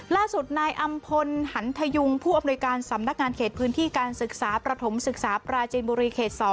ล่าสุดนายอำพลหันทยุงผู้อำนวยการสำนักงานเขตพื้นที่การศึกษาประถมศึกษาปราจีนบุรีเขต๒